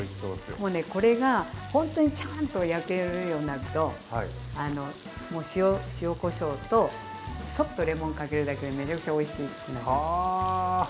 もうねこれがほんとにちゃんと焼けるようになると塩・こしょうとちょっとレモンかけるだけでめちゃくちゃおいしくなります。